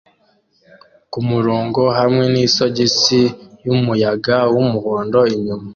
kumurongo hamwe nisogisi yumuyaga wumuhondo inyuma